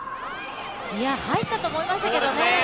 入ったと思いましたけどね。